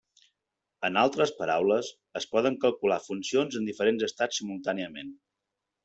En altres paraules, es poden calcular funcions en diferents estats simultàniament.